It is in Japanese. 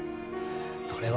それは。